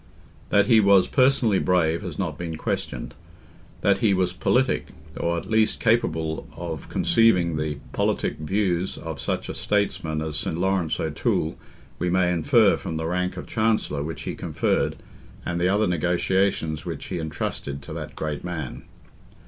That he was personally brave has not been questioned. That he was politic—or at least capable of conceiving the politic views of such a statesman as St. Laurence O'Toole, we may infer from the rank of Chancellor which he conferred, and the other negotiations which he entrusted to that great man.